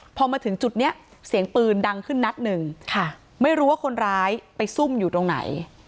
พอมาถึงจุดนี้เสียงปืนดังขึ้นนัดหนึ่งค่ะไม่รู้ว่าคนร้ายไปซุ่มอยู่ตรงไหน